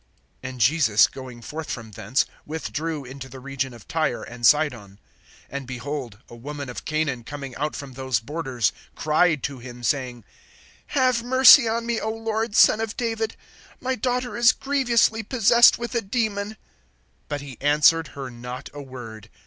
(21)And Jesus, going forth from thence, withdrew into the region of Tyre and Sidon. (22)And behold, a woman of Canaan, coming out from those borders, cried to him, saying: Have mercy on me, O Lord, Son of David; my daughter is grievously possessed with a demon. (23)But he answered her not a word.